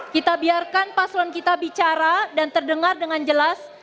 kita biarkan paslon kita bicara dan terdengar dengan jelas